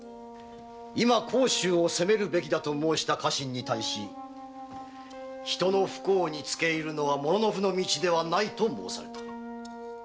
今甲州を攻めるべきだと申した家臣に対し人の不幸につけいるのは武士の道ではないと申された。